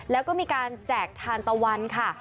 แล้วก็มีการแจกทานตะวันค่ะ